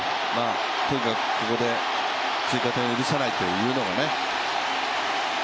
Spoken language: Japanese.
とにかくここで追加点を許さないというのがね。